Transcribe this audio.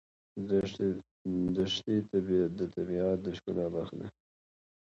دښتې د طبیعت د ښکلا برخه ده.